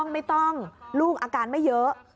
ไม่ต้องลูกอาการไม่เยอะ